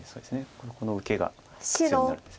ここの受けが必要になるんです。